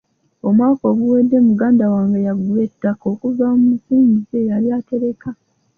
Omwaka oguwedde muganda wange yagula ettaka okuva mu nsimbi ze yali atereka.